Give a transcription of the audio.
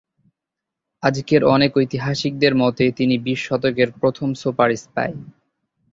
আজকের অনেক ঐতিহাসিকদের মতে তিনি বিশ শতকের প্রথম সুপার স্পাই।